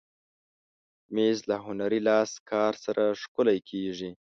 مېز له هنري لاسکار سره ښکلی کېږي.